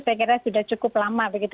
saya kira sudah cukup lama begitu